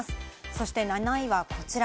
そして７位はこちら。